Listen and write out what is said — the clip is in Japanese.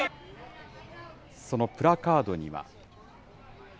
そのプラカードには。